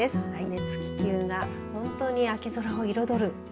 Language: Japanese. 熱気球が本当に秋空を彩る。